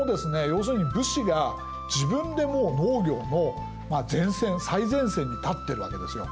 要するに武士が自分でもう農業の前線最前線に立ってるわけですよ。